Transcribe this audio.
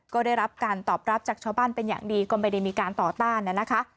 ก็ได้รับการตอบรับจากชาวบ้านเป็นอย่างดีก็ไม่ได้มีการต่อต้านนะคะ